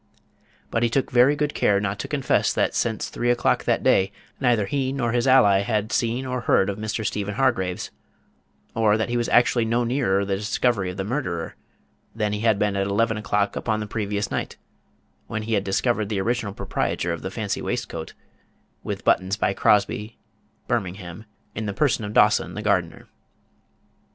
But he took very good care not to confess that since three o'clock that day neither he nor his ally had seen or heard of Mr. Stephen Hargraves, or that he was actually no nearer the discovery of the murderer than he had been at eleven o'clock upon the previous night, when he had discovered the original proprietor of the fancy waistcoat, with buttons by Crosby, Birmingham, in the person of Dawson, the gardener.